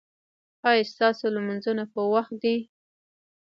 ایا ستاسو لمونځونه په وخت دي؟